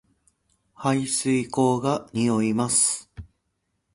排水溝が臭います